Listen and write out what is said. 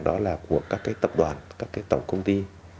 đó là của các cái tập đoàn các cái tổng công ty